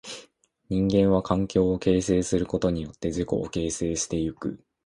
人間は環境を形成することによって自己を形成してゆく。